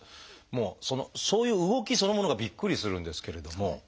もうそういう動きそのものがびっくりするんですけれども。